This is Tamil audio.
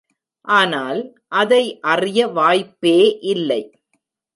ஆனால், அதை அறிய வாய்ப்பே இல்லை!